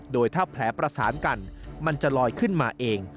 โดยถ้าแผลประสานกันมันจะลอยขึ้นมาเอง